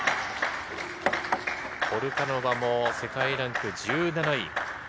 ポルカノバも世界ランク１７位。